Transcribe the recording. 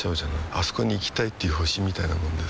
あそこに行きたいっていう星みたいなもんでさ